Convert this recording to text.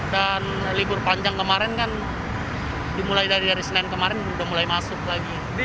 dan libur panjang kemarin kan dimulai dari senin kemarin sudah mulai masuk lagi